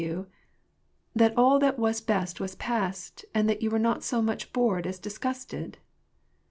287 you ? that all that was best was past, and that you were not so much bored as disgusted?"